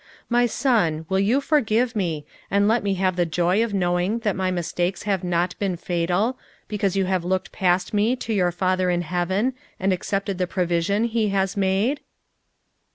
My son, will you for give me, and let me have the joy of knowing that my mistakes have not been fatal, because you have looked past me to your Father in heaven and accepted the provision he has made?"